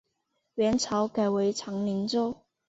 元朝改为长宁州。